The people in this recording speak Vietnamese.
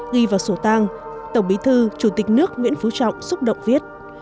ghi vào sổ tang tổng bí thư chủ tịch nước nguyễn phú trọng xúc động viết